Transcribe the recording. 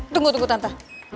tunggu tunggu tante